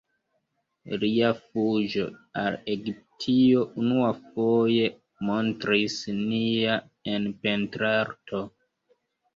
Lia "Fuĝo al Egiptio" unuafoje montris nia en pentrarto.